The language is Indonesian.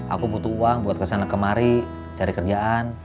aku butuh uang buat kesana kemari cari kerjaan